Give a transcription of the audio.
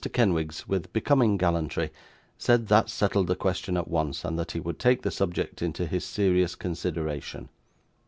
Kenwigs, with becoming gallantry, said that settled the question at once, and that he would take the subject into his serious consideration.